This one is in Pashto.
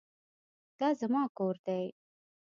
دا زما کور دی